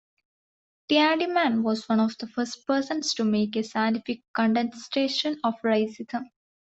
Tiedemann was one of the first persons to make a scientific contestation of racism.